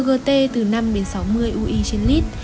ggt từ năm đến sáu mươi ui trên lít